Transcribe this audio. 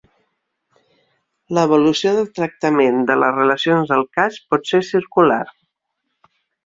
L'evolució del tractament de les relacions del cas pot ser circular.